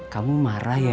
kamu marah ya